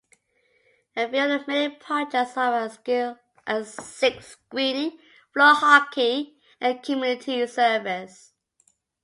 A few of the many projects offered are silkscreening, floor hockey and community service.